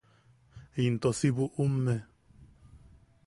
Into si buʼume.